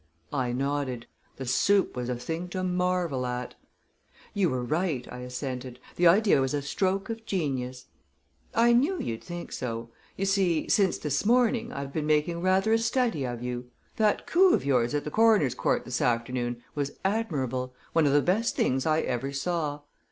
I nodded. The soup was a thing to marvel at. "You were right," I assented. "The idea was a stroke of genius." "I knew you'd think so. You see, since this morning, I've been making rather a study of you. That coup of yours at the coroner's court this afternoon was admirable one of the best things I ever saw."